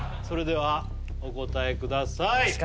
それではお答えください